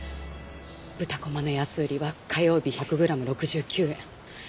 豚こまの安売りは火曜日１００グラム６９円。